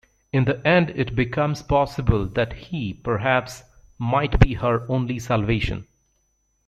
In the end it becomes possible that he, perhaps, might be her only salvation.